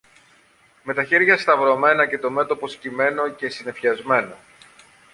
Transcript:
με τα χέρια σταυρωμένα και το μέτωπο σκυμμένο και συννεφιασμένο